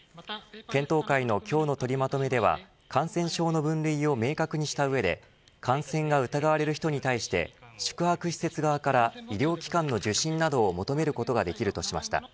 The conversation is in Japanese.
検討会の今日の取りまとめでは感染症の分類を明確にした上で感染が疑われる人に対して宿泊施設側から医療機関の受診などを求めることができるとしました。